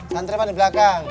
santrepan di belakang